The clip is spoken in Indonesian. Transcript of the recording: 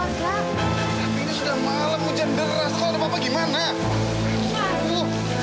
kamu masih di sini